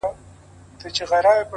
گراني شاعري زه هم داسي يمه’